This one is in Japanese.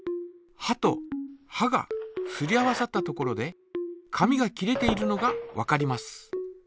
はとはがすり合わさったところで紙が切れているのがわかります。